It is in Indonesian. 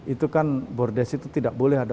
itu kan bordes itu tidak boleh ada